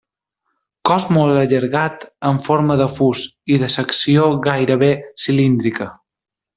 Cos molt allargat en forma de fus i de secció gairebé cilíndrica.